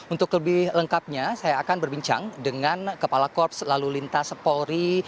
untuk lebih lengkapnya saya akan berbincang dengan kepala korps lalu lintas polri